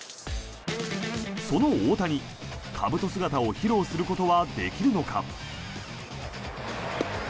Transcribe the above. その大谷、かぶと姿を披露することはできるのか。